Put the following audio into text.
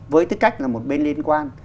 với tư cách là một bên liên quan